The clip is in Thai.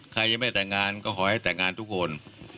ใครยังไม่แต่งงานก็ขอให้แต่งงานทุกคน